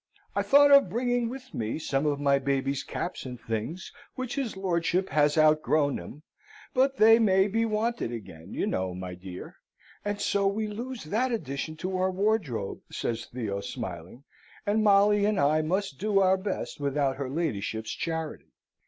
"'I thought of bringing with me some of my baby's caps and things, which his lordship has outgrown 'em, but they may be wanted again, you know, my dear.' And so we lose that addition to our wardrobe," says Theo, smiling, "and Molly and I must do our best without her ladyship's charity.